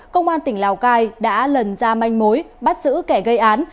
công an tỉnh lào cai đã lần ra manh mối bắt giữ kẻ gây án